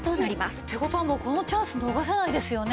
おっ！って事はもうこのチャンス逃せないですよね。